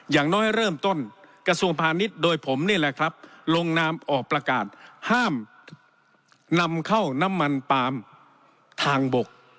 อย่างน้อยเริ่มต้นกระทรวงพาณิชย์โดยผมนี่แหละครับลงนามออกประกาศห้ามนำเข้าน้ำมันปาล์มทางบก